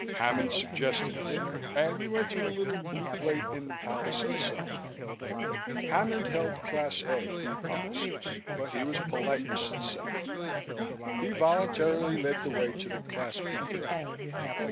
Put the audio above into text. Hammond suggested dinner, and we went to a little Blue Plate in the palace itself. Hammond held Class A food policies, but he was politeness itself; he voluntarily led the way to the Class B area.